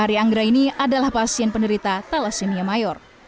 ari anggra ini adalah pasien penderita thalassemia mayor